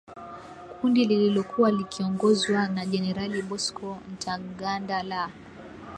kundi lililokuwa likiongozwa na jenerali Bosco Ntaganda la